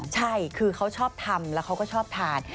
ใช่คือเขาชอบทำแล้วเขาก็ชอบทาน